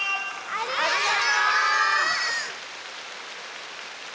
ありがとう！